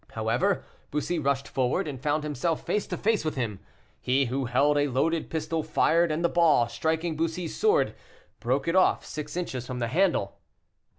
However, Bussy rushed forward, and found himself face to face with him. He, who held a loaded pistol, fired, and the ball, striking Bussy's sword, broke it off six inches from the handle.